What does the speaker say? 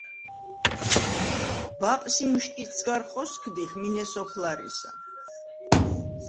ბაპს ი მჷშკიდს გარ ხოსგდიხ მინე სოფლარისა.